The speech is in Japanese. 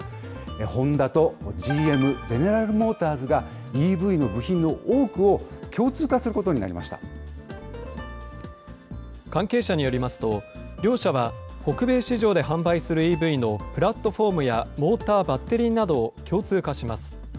ホンダとＧＭ・ゼネラル・モーターズが、ＥＶの部品の多くを共通関係者によりますと、両社は北米市場で販売するＥＶのプラットフォームやモーター、バッテリーなどを共通化します。